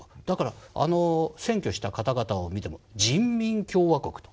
だから占拠した方々を見ても「人民共和国」と。